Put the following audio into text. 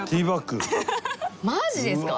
マジですか！